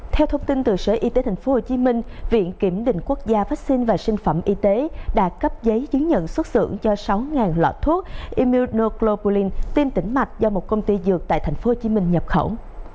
theo thông tin từ sở y tế tp hcm viện kiểm định quốc gia vaccine và sinh phẩm y tế đã cấp giấy chứng nhận xuất xưởng cho sáu lọ thuốc emilalpolin tiêm tỉnh mạch do một công ty dược tại tp hcm nhập khẩu